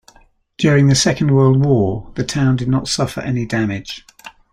During the Second World War, the town did not suffer any damage.